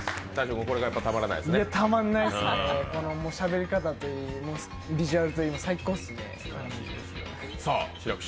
このしゃべり方とビジュアルといい、最高っすね。